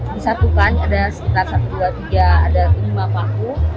disatukan ada sekitar satu dua tiga ada lima paku